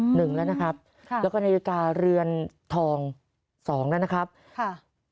หนึ่งแล้วนะครับค่ะแล้วก็นาฬิกาเรือนทองสองแล้วนะครับค่ะ